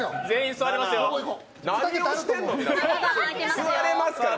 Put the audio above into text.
座れますから。